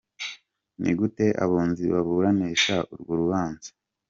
Ni gute abunzi baburanisha urwo rubanza?